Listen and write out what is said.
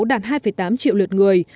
đạt hai tám triệu lượt người